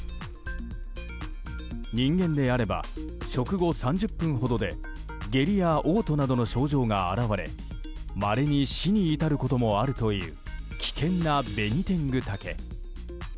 人間であれば食後３０分ほどで下痢や嘔吐などの症状が現れまれに死に至ることもあるという危険なベニテングタケ。